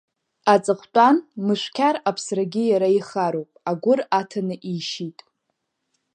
Аҵыхәтәан Мышәқьар аԥсрагьы иара ихароуп, агәыр аҭаны ишьит.